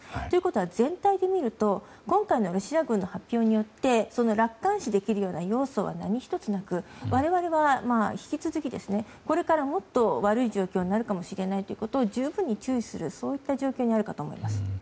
ということは、全体で見ると今回のロシア軍の発表によって楽観視できるような要素は何一つなく、我々は引き続きこれからもっと悪い状況になるかもしれないということを十分に注意するそういった状況にあるかと思います。